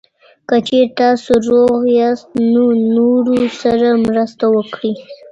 که چېرې تاسو روغ یاست، نو نورو سره مرسته وکړئ.